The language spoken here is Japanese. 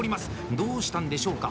どうしたんでしょうか？